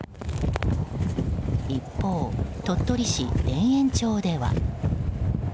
一方、鳥取市田園町では。